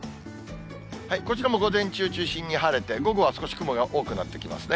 こちらも午前中中心に晴れて、午後は少し雲が多くなってきますね。